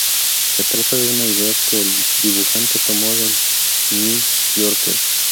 Se trata de una idea que el dibujante tomó del "New Yorker".